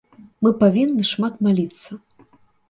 Мы павінны шмат маліцца.